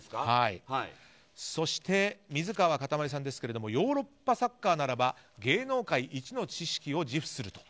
そして、水川かたまりさんですけれどもヨーロッパサッカーならば芸能界一の知識を自負すると。